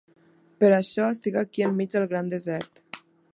Per això, estic aquí enmig del gran desert.